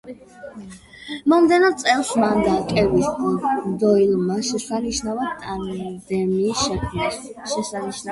მომდევნო წელს მან და კევინ დოილმა შესანიშნავი ტანდემი შექმნეს.